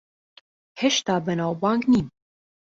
هێشتا بەناوبانگ نیم.